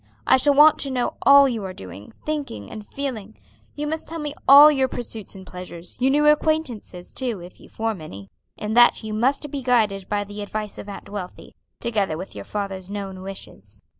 I shall want to know all you are doing, thinking, and feeling. You must tell me of all your pursuits and pleasures; your new acquaintances, too, if you form any. In that you must be guided by the advice of Aunt Wealthy, together with your father's known wishes.